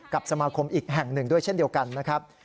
กับสมาคมอีกแห่งหนึ่งด้วยเช่นเดียวกันนะครับ